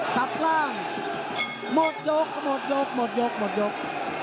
ตัดล่างหมดยกหมดยกหมดยกหมดยก